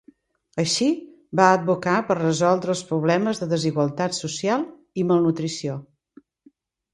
Així, va advocar per resoldre els problemes de desigualtat social i malnutrició.